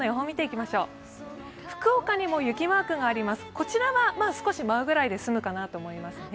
こちらは少し舞うくらいで済むかなと思いますね。